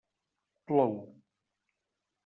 Plou.